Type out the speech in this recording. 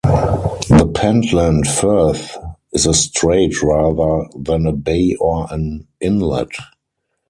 The Pentland Firth is a strait rather than a bay or an inlet.